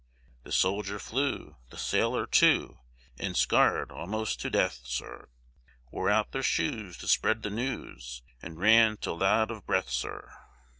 The soldier flew, the sailor too, And, scar'd almost to death, Sir, Wore out their shoes to spread the news, And ran 'til out of breath, Sir.